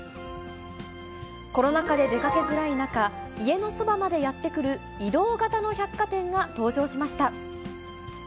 コロナ禍で出かけづらい中、家のそばまでやって来る、移動型の百貨店が登場しました。